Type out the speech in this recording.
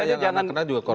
yang anak anak juga korban